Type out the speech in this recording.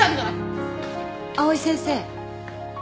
藍井先生。